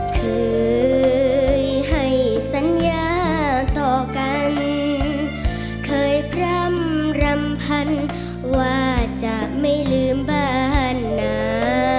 เคยให้สัญญาต่อกันเคยพร่ำรำพันว่าจะไม่ลืมบ้านหนา